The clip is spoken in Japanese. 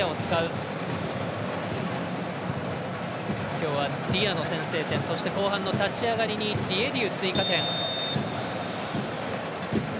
今日はディアの先制点そして、後半の立ち上がりにディエディウ追加点。